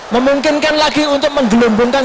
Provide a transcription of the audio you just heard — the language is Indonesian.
memungkinkan lagi untuk menggelumbungkan